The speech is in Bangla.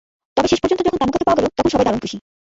তবে শেষ পর্যন্ত যখন তানুকাকে পাওয়া গেল, তখন সবাই দারুণ খুশি।